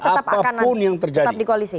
tetap akan tetap di koalisi